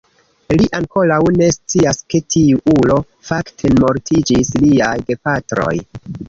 Li ankoraŭ ne scias ke tiu ulo fakte mortiĝis liaj gepatroj.